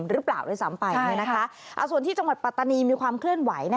หรือเปล่าด้วยซ้ำไปส่วนที่จังหวัดปัตตานีมีความเคลื่อนไหว